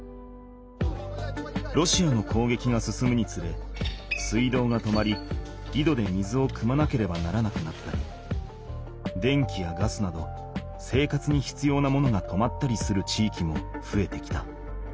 ロシアの攻撃が進むにつれ水道が止まりいどで水をくまなければならなくなったり電気やガスなど生活にひつようなものが止まったりする地域もふえてきた。